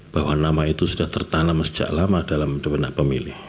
bahwa nama itu sudah tertanam sejak lama dalam pemilih